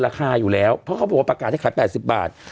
ราคาอยู่แล้วเพราะเขาบอกว่าประกาศให้ขาย๘๐บาท